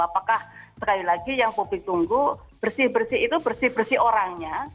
apakah sekali lagi yang publik tunggu bersih bersih itu bersih bersih orangnya